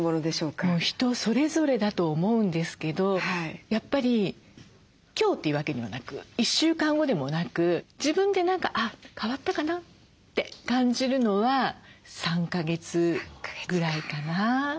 人それぞれだと思うんですけどやっぱり今日というわけにはなく１週間後でもなく自分で何かあっ変わったかなって感じるのは３か月ぐらいかな。